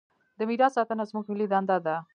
د میراث ساتنه زموږ ملي دنده ده.